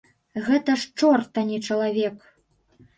Гэта ж чорт, а не чалавек.